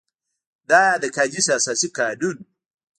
دا د کادیس اساسي قانون وو.